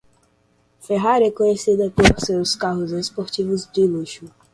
Ferrari é conhecida por seus carros esportivos de luxo.